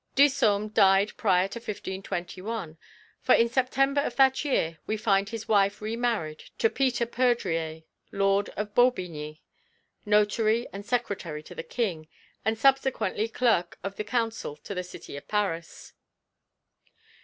Disome died prior to 1521, for in September of that year we find his wife remarried to Peter Perdrier, Lord of Baubigny, notary and secretary to the King, and subsequently clerk of the council to the city of Paris.